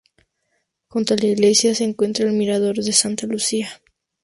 Junto a la iglesia, se encuentra el mirador de Santa Lucía.